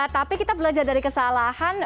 tapi kita belajar dari kesalahan